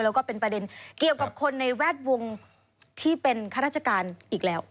แล้วก็เป็นประเด็นเกี่ยวกับคนในแวดวงที่เป็นข้าราชการอีกแล้ว